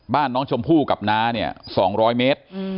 บ้านน้องชมพู่กับน้าเนี่ย๒๐๐เมตร